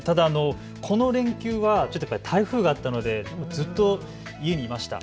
この連休は台風があったのでずっと家にいました。